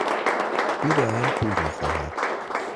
او دایم پول میخواهد.